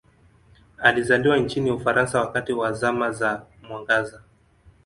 Alizaliwa nchini Ufaransa wakati wa Zama za Mwangaza.